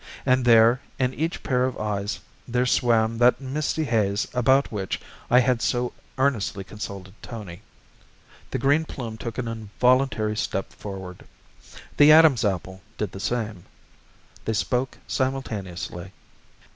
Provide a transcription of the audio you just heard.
And there, in each pair of eyes there swam that misty haze about which I had so earnestly consulted Tony. The Green Plume took an involuntary step forward. The Adam's Apple did the same. They spoke simultaneously.